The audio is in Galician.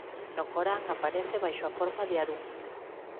No Corán aparece baixo a forma de Harún.